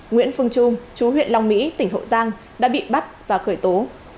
nguyễn phương trung chú huyện long mỹ tỉnh hậu giang đã bị bắt và khởi tố